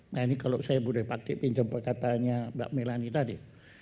nah ini kalau saya boleh pakai pinjam katanya mbak melani tadi